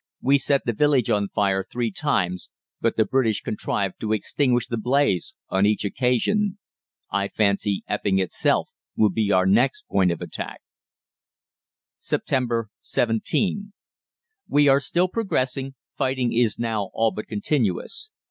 We set the village on fire three times, but the British contrived to extinguish the blaze on each occasion. "I fancy Epping itself will be our next point of attack." "Sept. 17. We are still progressing, fighting is now all but continuous.